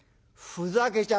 ふざけちゃ。